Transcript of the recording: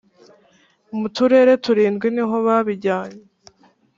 Mu turere turindwi niho babijyanye